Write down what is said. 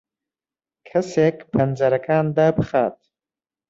کەسێک پەنجەرەکان دابخات.